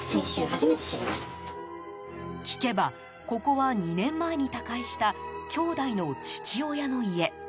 聞けばここは２年前に他界した兄妹の父親の家。